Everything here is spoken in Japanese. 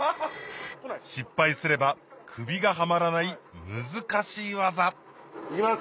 失敗すれば首がハマらない難しい技いきます！